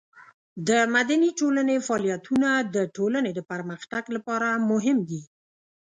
د مدني ټولنې فعالیتونه د ټولنې د پرمختګ لپاره مهم دي.